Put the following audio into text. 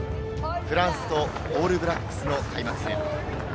フランスとオールブラックスの開幕戦。